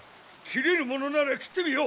斬れるものなら斬ってみよ！